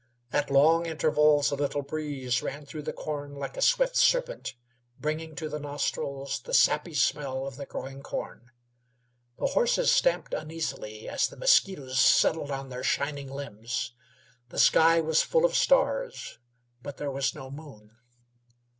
At long intervals a little breeze ran through the corn like a swift serpent, bringing to his nostrils the sappy smell of the growing corn. The horses stamped uneasily as the mosquitoes settled on their shining limbs. The sky was full of stars, but there was no moon.